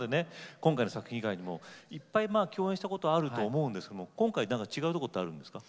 今回の作品以外にもいっぱい共演したことあると思うんですけども今回何か違うとこってあるんですか？